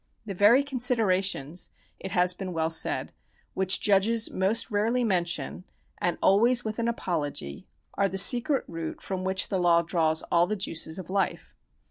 " The very con siderations," it has been well said, " which judges most rarely mention, and always with an apology, are the secret root from which the law draws all the juices of life."